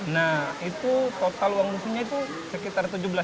nah itu total uang rusunnya itu sekitar tujuh belas